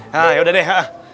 nah yaudah deh